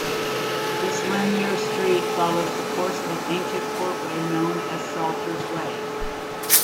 This linear street follows the course of an ancient Portway known as Salters Way.